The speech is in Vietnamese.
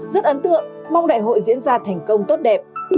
rất ấn tượng mong đại hội diễn ra thành công tốt đẹp